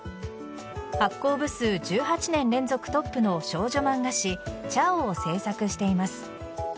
発行部数１８年連続トップの少女漫画誌「ちゃお」を制作しています。